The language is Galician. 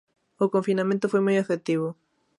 O confinamento foi moi efectivo.